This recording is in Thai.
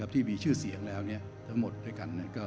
ที่มีชื่อเสียงแล้วทั้งหมดด้วยกัน